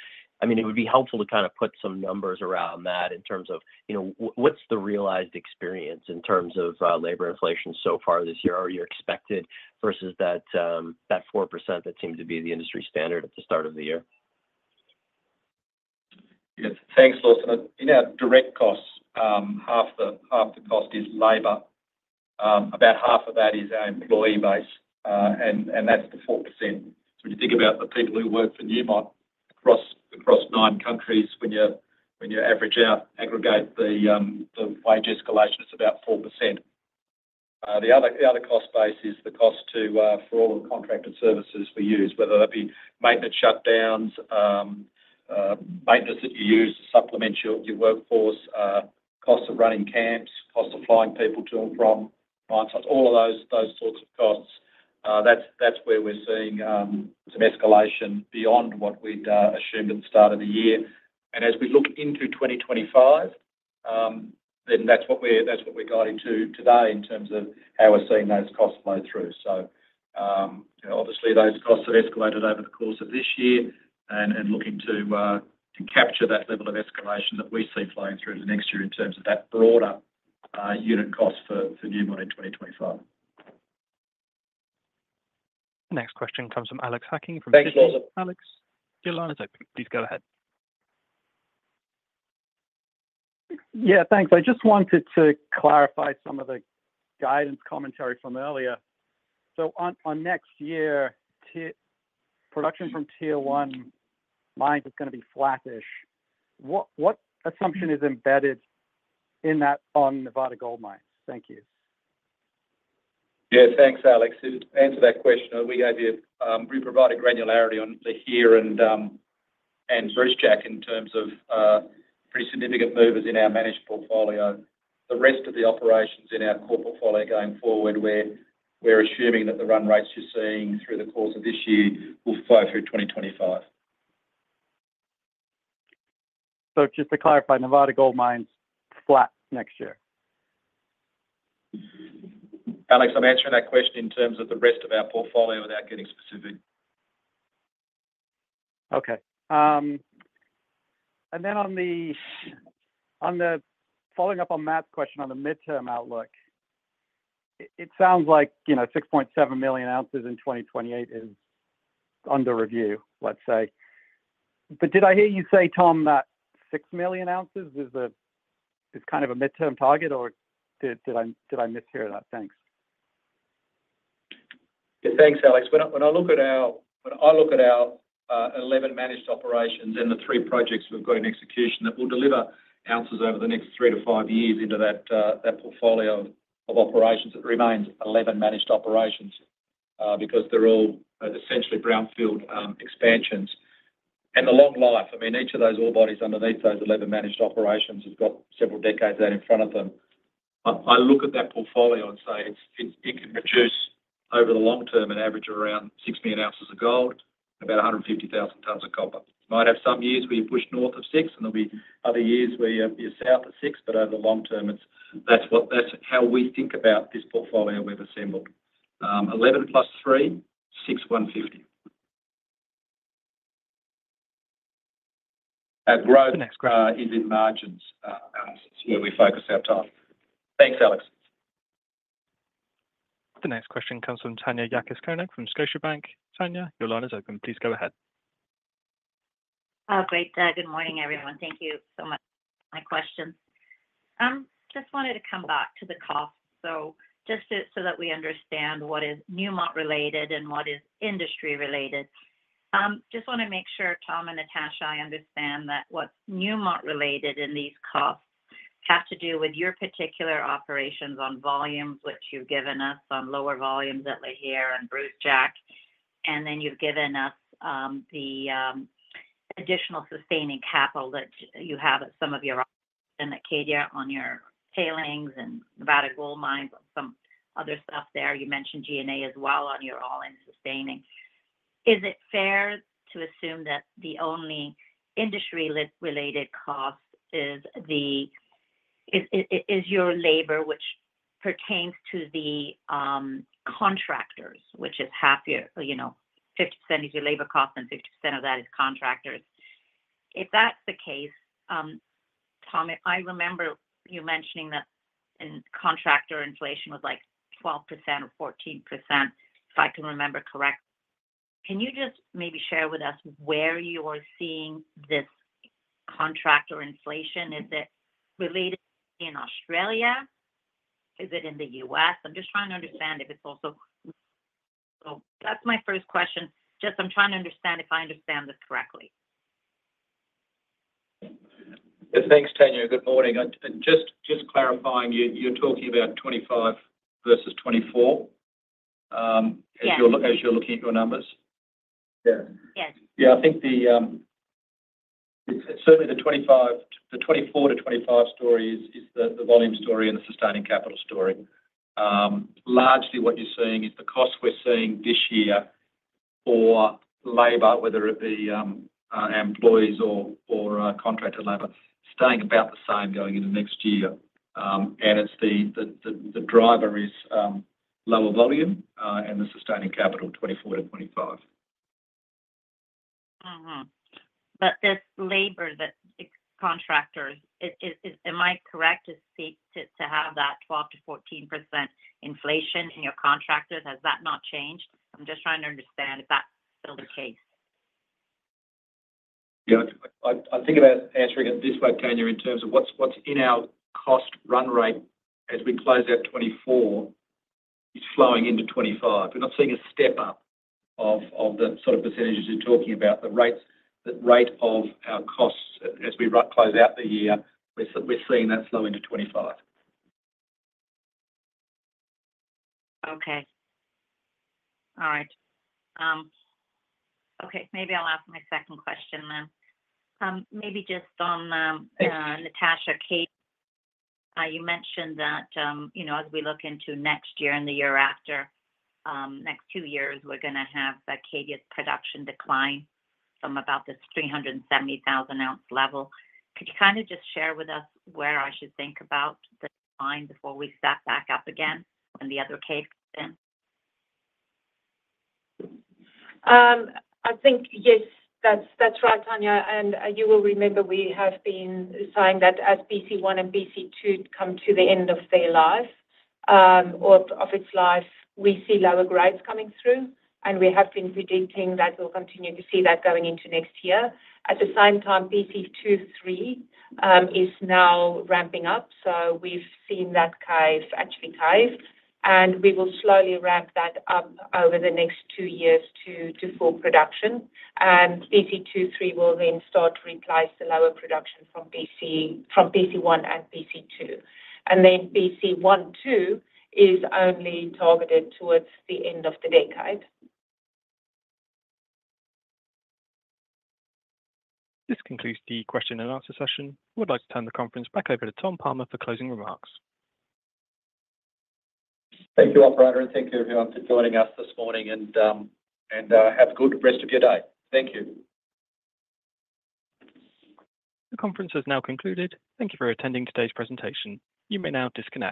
I mean, it would be helpful to kind of put some numbers around that in terms of, you know, what's the realized experience in terms of labor inflation so far this year? Are you expected versus that 4% that seemed to be the industry standard at the start of the year? Yes, thanks, Lawson. In our direct costs, half the cost is labor. About half of that is our employee base, and that's the 4%. So when you think about the people who work for Newmont across nine countries, when you average out, aggregate the wage escalation, it's about 4%. The other cost base is the cost for all of the contracted services we use, whether that be maintenance shutdowns, maintenance that you use to supplement your workforce, costs of running camps, costs of flying people to and from mine sites. All of those sorts of costs, that's where we're seeing some escalation beyond what we'd assumed at the start of the year. As we look into 2025, then that's what we're guiding to today in terms of how we're seeing those costs flow through. So, obviously, those costs have escalated over the course of this year, and looking to capture that level of escalation that we see flowing through to next year in terms of that broader unit cost for Newmont in 2025. The next question comes from Alex Hacking from Thanks, Lawson. Alex, your line is open. Please go ahead. Yeah, thanks. I just wanted to clarify some of the guidance commentary from earlier. So on next year, Tier One production from Tier One mines is gonna be flattish. What assumption is embedded in that on Nevada Gold Mines? Thank you. Yeah, thanks, Alex. To answer that question, we gave you, we provided granularity on the Red Chris and Brucejack in terms of pretty significant movers in our managed portfolio. The rest of the operations in our core portfolio going forward, we're assuming that the run rates you're seeing through the course of this year will flow through 2025. So just to clarify, Nevada Gold Mines, flat next year? Alex, I'm answering that question in terms of the rest of our portfolio without getting specific. Okay. And then on the following up on Matt's question on the midterm outlook, it sounds like, you know, 6.7 million ounces in 2028 is under review, let's say. But did I hear you say, Tom, that 6 million ounces is kind of a midterm target, or did I mishear that? Thanks. Yeah, thanks, Alex. When I look at our eleven managed operations and the three projects we've got in execution, that will deliver ounces over the next three to five years into that portfolio of operations, it remains eleven managed operations, because they're all essentially brownfield expansions. And the long life, I mean, each of those ore bodies underneath those eleven managed operations has got several decades out in front of them. I look at that portfolio and say it's. It can produce over the long term, an average of around 6 million ounces of gold, about a hundred and fifty thousand tons of copper. Might have some years where you push north of six, and there'll be other years where you're south of six. But over the long term, it's that. That's what, that's how we think about this portfolio we've assembled. Eleven plus three, six one fifty. Our growth is in margins, where we focus our time. Thanks, Alex. The next question comes from Tanya Jakusconek from Scotiabank. Tanya, your line is open. Please go ahead. Great day. Good morning, everyone. Thank you so much for my questions. Just wanted to come back to the cost. So that we understand what is Newmont related and what is industry related. Just wanna make sure, Tom and Natascha, I understand that what's Newmont related in these costs has to do with your particular operations on volumes, which you've given us on lower volumes at Lihir and Brucejack. And then you've given us the additional sustaining capital that you have at some of your and Cadia on your tailings and Nevada Gold Mines, some other stuff there. You mentioned G&A as well on your all-in sustaining. Is it fair to assume that the only industry-related cost is your labor, which pertains to the contractors, which is half year, you know, 50% is your labor cost, and 50% of that is contractors? If that's the case, Tom, I remember you mentioning that in contractor inflation was like 12% or 14%, if I can remember correct. Can you just maybe share with us where you're seeing this contractor inflation? Is it related in Australia? Is it in the US? I'm just trying to understand if it's also. So that's my first question. Just I'm trying to understand if I understand this correctly. Yeah. Thanks, Tanya. Good morning. Just clarifying, you're talking about 2025 versus 2024? Yeah As you're looking at your numbers? Yeah. Yes. Yeah. I think it's certainly the 2025, the 2024 to 2025 story is the volume story and the sustaining capital story. Largely what you're seeing is the cost we're seeing this year for labor, whether it be employees or contracted labor, staying about the same going into next year. And it's the driver is lower volume and the sustaining capital, 2024 to 2025. Mm-hmm. But this labor that is contractors, am I correct to state that you have that 12%-14% inflation in your contractors? Has that not changed? I'm just trying to understand if that's still the case. Yeah. I think about answering it this way, Tanya, in terms of what's in our cost run rate as we close out 2024, is flowing into 2025. We're not seeing a step up of the sort of percentages you're talking about. The rate of our costs as we run, close out the year, we're seeing that flow into 2025. Okay. All right. Okay, maybe I'll ask my second question then. Maybe just on, Thank you. Natascha, Kate, you mentioned that, you know, as we look into next year and the year after, next two years, we're gonna have Cadia's production decline from about this three hundred and seventy thousand ounce level. Could you kind of just share with us where I should think about the decline before we stack back up again when the other cave is in? I think, yes, that's right, Tanya. You will remember we have been saying that as PC one and PC two come to the end of their life, or of its life, we see lower grades coming through, and we have been predicting that we'll continue to see that going into next year. At the same time, PC two, three is now ramping up, so we've seen that cave actually caved, and we will slowly ramp that up over the next two years to full production. PC two, three will then start to replace the lower production from PC one and PC two. Then PC one, two is only targeted towards the end of the decade. This concludes the question and answer session. We'd like to turn the conference back over to Tom Palmer for closing remarks. Thank you, operator, and thank you everyone for joining us this morning, and have a good rest of your day. Thank you. The conference has now concluded. Thank you for attending today's presentation. You may now disconnect.